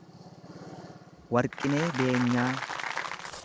Warqinee Beenyaa